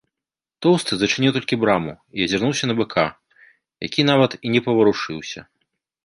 Тоўсты зачыніў толькі браму і азірнуўся на быка, які нават і не паварушыўся.